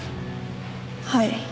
はい。